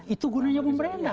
itu gunanya pemerintah